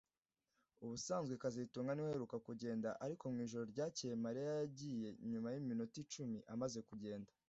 Ubusanzwe kazitunga niwe uheruka kugenda ariko mwijoro ryakeye Mariya yagiye nyuma yiminota icumi amaze kugenda